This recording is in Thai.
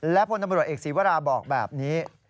และพนับรับเอกสีวราบอกแบบนี้